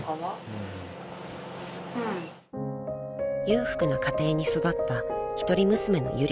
［裕福な家庭に育った一人娘のユリ］